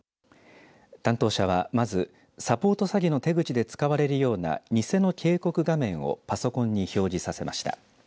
担当者は、まずサポート詐欺の手口で使われるような偽の警告画面をパソコンに表示させました。